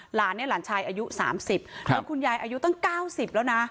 หลานเนี่ยหลานชายอายุ๓๐แล้วคุณยายอายุตั้ง๙๐แล้วนะ